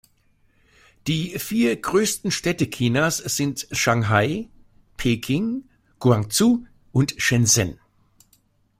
Die vier größten Städte Chinas sind Shanghai, Peking, Guangzhou und Shenzhen.